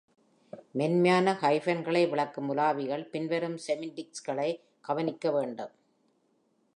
மென்மையான ஹைபன்களை விளக்கும் உலாவிகள் பின்வரும் செமண்டிக்ஸ்களைக் கவனிக்க வேண்டும்.